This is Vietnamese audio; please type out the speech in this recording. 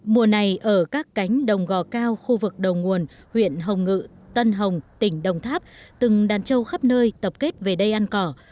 mùa này ở các cánh đồng gò cao khu vực đầu nguồn huyện hồng ngự tân hồng tỉnh đồng tháp từng đàn trâu khắp nơi tập kết về đây ăn cỏ